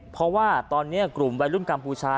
เพราะว่าตอนนี้กลุ่มวัยรุ่นกัมพูชา